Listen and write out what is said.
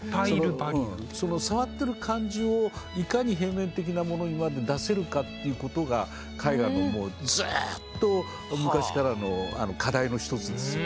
その触ってる感じをいかに平面的なものにまで出せるかということが絵画のもうずっと昔からの課題の一つですよね。